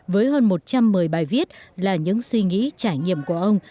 với hơn một trăm một mươi bài viết là những suy nghĩ trải nghiệm của ông